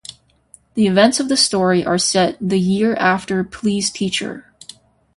The events of the story are set the year after Please Teacher!